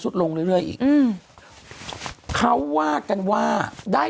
คุณหนุ่มกัญชัยได้เล่าใหญ่ใจความไปสักส่วนใหญ่แล้ว